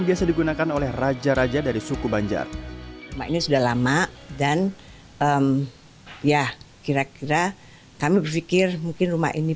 biasa digunakan oleh raja raja dari suku banjar ini sudah lama dan ya kira kira kami berpikir mungkin rumah ini